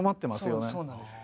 そうそうなんです。